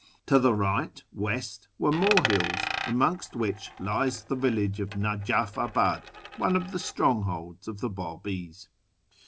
To the right (west) were more hills, amongst which lies the village of Najafabad, one of the strongholds of the Babis.